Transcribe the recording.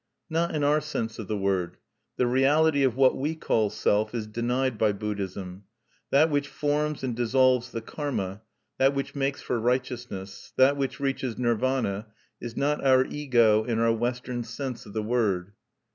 Not in our sense of the word. The reality of what we call self is denied by Buddhism. That which forms and dissolves the karma; that which makes for righteousness; that which reaches Nirvana, is not our Ego in our Western sense of the word.